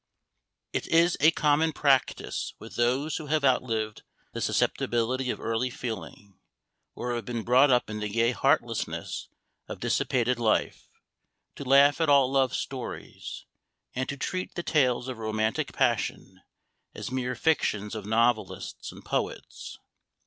IT is a common practice with those who have outlived the susceptibility of early feeling, or have been brought up in the gay heartlessness of dissipated life, to laugh at all love stories, and to treat the tales of romantic passion as mere fictions of novelists and poets.